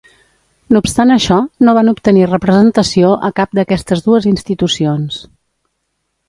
No obstant això, no van obtenir representació a cap d'aquestes dues institucions.